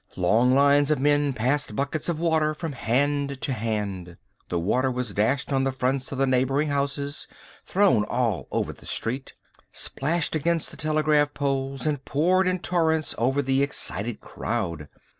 Long lines of men passed buckets of water from hand to hand. The water was dashed on the fronts of the neighbouring houses, thrown all over the street, splashed against the telegraph poles, and poured in torrents over the excited crowd.